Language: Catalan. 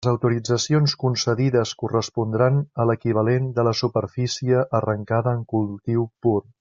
Les autoritzacions concedides correspondran a l'equivalent de la superfície arrancada en cultiu pur.